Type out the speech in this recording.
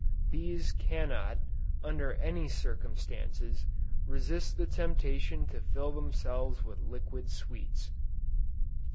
BEES CANNOT, UNDER ANY CIRCUMSTANCES, RESIST THE TEMPTATION TO FILL THEMSELVES WITH LIQUID SWEETS.